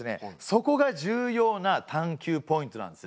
そこが重要な探究ポイントなんですね。